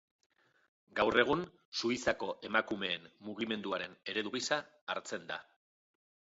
Gaur egun, Suitzako emakumeen mugimenduaren eredu gisa hartzen da.